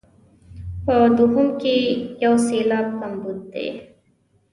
په دوهم کې یو سېلاب کمبود دی.